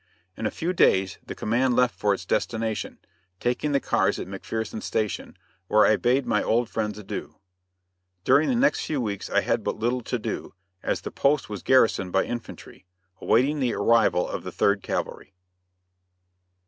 In a few days the command left for its destination, taking the cars at McPherson Station, where I bade my old friends adieu. During the next few weeks I had but little to do, as the post was garrisoned by infantry, awaiting the arrival of the Third Cavalry.